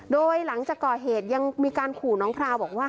โดยหลังจากก่อเหตุยังมีการขู่น้องพราวบอกว่า